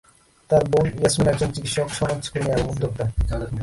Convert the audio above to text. তার বোন ইয়াসমিন একজন চিকিৎসক, সমাজকর্মী এবং উদ্যোক্তা।